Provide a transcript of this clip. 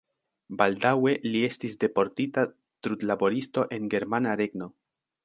Baldaŭe li estis deportita trudlaboristo en Germana Regno.